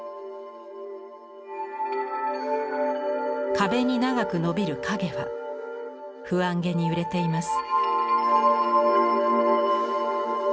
壁に長くのびる影は不安げに揺れています。